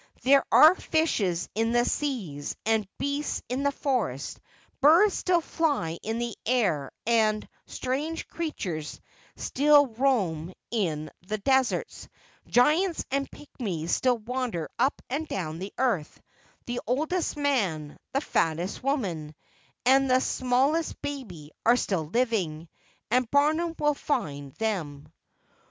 There are fishes in the seas and beasts in the forest; birds still fly in the air and strange creatures still roam in the deserts; giants and pigmies still wander up and down the earth; the oldest man, the fattest woman, and the smallest baby are still living, and Barnum will find them.